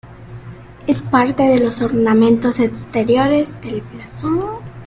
Es parte de los ornamentos exteriores del blasón.